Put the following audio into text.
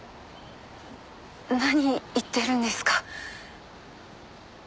何言ってるんですか？